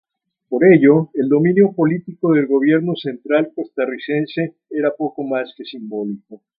Por ello el dominio político del gobierno central costarricense era poco más que simbólico.